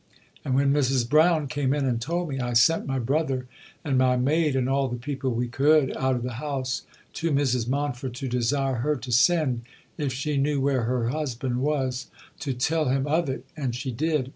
And when Mrs Browne came in and told me, I sent my brother and my maid and all the people we could out of the house to Mrs Montford to desire her to send, if she knew where her husband was, to tell him of it; and she did.